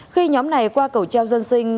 khi nhóm này qua cầu treo dân sinh